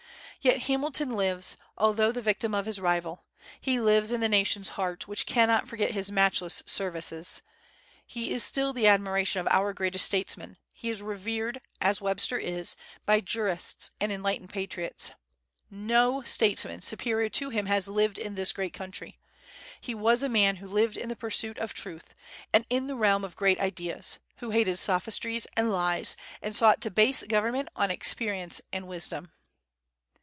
Yet Hamilton lives, although the victim of his rival. He lives in the nation's heart, which cannot forget his matchless services. He is still the admiration of our greatest statesmen; he is revered, as Webster is, by jurists and enlightened patriots. No statesman superior to him has lived in this great country. He was a man who lived in the pursuit of truth, and in the realm of great ideas; who hated sophistries and lies, and sought to base government on experience and wisdom.